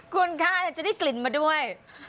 คุณคะจะได้กลิ่นมาด้วย